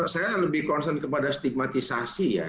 saya lebih concern kepada stigmatisasi ya